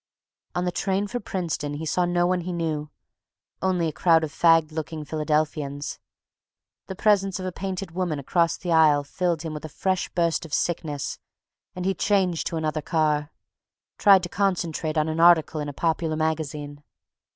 On the train for Princeton he saw no one he knew, only a crowd of fagged looking Philadelphians. The presence of a painted woman across the aisle filled him with a fresh burst of sickness and he changed to another car, tried to concentrate on an article in a popular magazine.